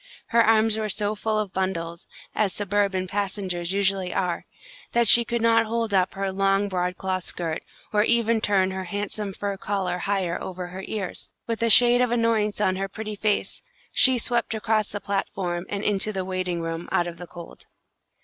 Her arms were so full of bundles, as suburban passengers' usually are, that she could not hold up her long broadcloth skirt, or even turn her handsome fur collar higher over her ears. With a shade of annoyance on her pretty face, she swept across the platform and into the waiting room, out of the cold.